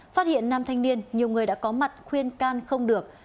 phát hiện nam thanh niên nhiều người đã có mặt khuyên can không được